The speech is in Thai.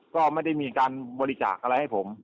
ก็ไม่ได้มีการบริจาคอะไรให้ผม